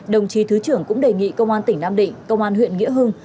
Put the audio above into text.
đồng chí thứ trưởng cũng đề nghị công an tỉnh nam định công an huyện nghĩa hưng